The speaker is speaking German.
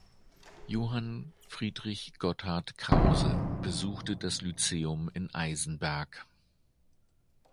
Johann Friedrich Gotthard Krause besuchte das Lyzeum in Eisenberg.